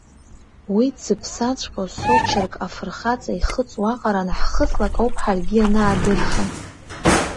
Уи дзыԥсаҵәҟьоу сочерк афырхаҵа ихыҵуа аҟара анҳхыҵлак ауп ҳаргьы ианаадырша.